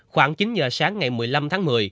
khoảng chín giờ sáng ngày một mươi năm tháng một mươi